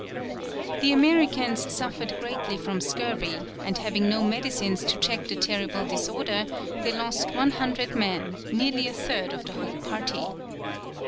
The Americans suffered greatly from scurvy, and having no medicines to check the terrible disorder, they lost 100 men, nearly a third of the whole party.